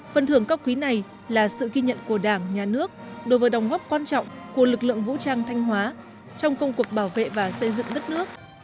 phần thưởng cao quý này là sự ghi nhận của đảng nhà nước đối với đồng góp quan trọng của lực lượng vũ trang thanh hóa trong công cuộc bảo vệ và xây dựng đất nước